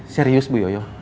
serius bu yoyo